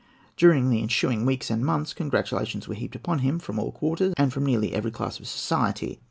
During the ensuing weeks and months congratulations were heaped upon him from all quarters, and from nearly every class of society.